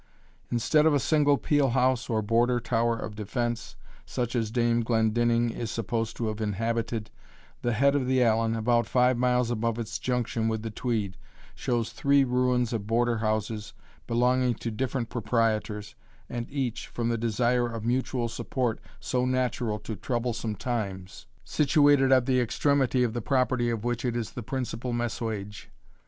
Instead of a single peel house, or border tower of defence, such as Dame Glendinning is supposed to have inhabited, the head of the Allen, about five miles above its junction with the Tweed, shows three ruins of Border houses, belonging to different proprietors, and each, from the desire of mutual support so natural to troublesome times, situated at the extremity of the property of which it is the principal messuage.